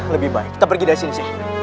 lebih baik kita pergi dari sini sih